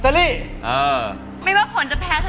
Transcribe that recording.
ทำไมเลือกฝรั่งเศรษฐ์